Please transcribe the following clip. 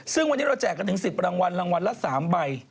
ซึ่งวันนี้เราแจกกันถึง๑๐รางวัลรางวัลละ๓ใบ